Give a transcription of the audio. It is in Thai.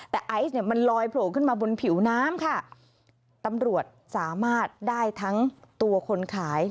แต่ไอซ์เนี่ยมันลอยโผล่ขึ้นมาบนผิวน้ำค่ะตำรวจสามารถได้ทั้งตัวคนขาย